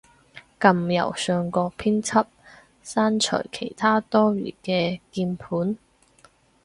撳右上角編輯，刪除其它多餘嘅鍵盤